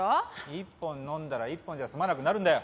１本飲んだら１本じゃ済まなくなるんだよ！